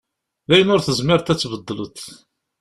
D ayen ur tezmireḍ ad tbeddleḍ.